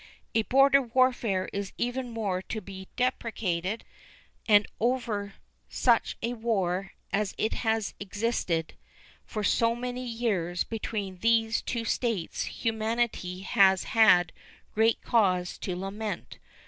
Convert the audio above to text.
A border warfare is evermore to be deprecated, and over such a war as has existed for so many years between these two States humanity has had great cause to lament.